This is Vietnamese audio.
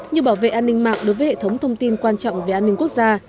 như bảo vệ an ninh mạng đối với hệ thống thông tin quan trọng về an ninh quốc gia